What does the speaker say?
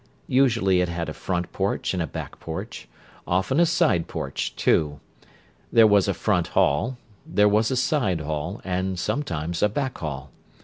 Usually it had a "front porch" and a "back porch"; often a "side porch," too. There was a "front hall"; there was a "side hall"; and sometimes a "back hall."